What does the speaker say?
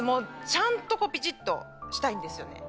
ちゃんとピチっとしたいんですよね。